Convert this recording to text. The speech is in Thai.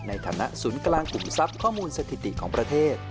ในฐานะศูนย์กลางกลุ่มทรัพย์ข้อมูลสถิติของประเทศ